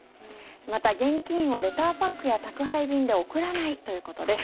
また、現金をレターパックや宅配便で送らないということです。